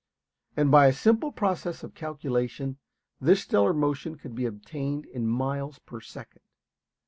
And by a simple process of calculation this stellar motion can be obtained in miles per second.